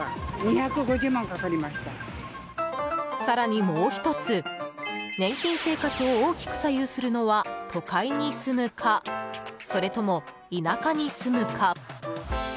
更に、もう１つ年金生活を大きく左右するのは都会に住むかそれとも田舎に住むか。